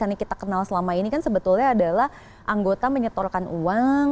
yang kita kenal selama ini kan sebetulnya adalah anggota menyetorkan uang